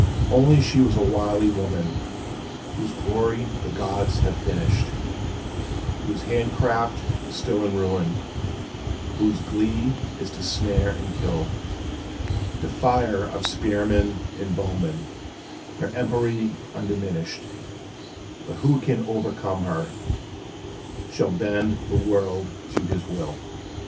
'Once she was a wily woman, whose glory the gods have finished, Whose handicraft still is ruin, whose glee is to snare and kill, Defier of spearman and bowman, her empery undiminished; But whoso can overcome her, shall bend the world to his will!